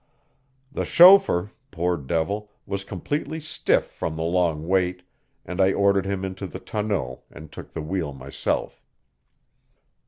The chauffeur, poor devil, was completely stiff from the long wait, and I ordered him into the tonneau and took the wheel myself.